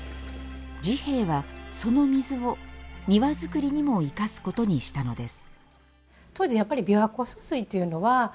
治兵衛は、その水を庭造りにも生かすことにしたのです。